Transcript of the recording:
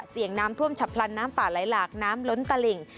เสี่ยงน้ำท่วมฉับพลันน้ำป่าไหลหลากน้ำล้นตลิ่ง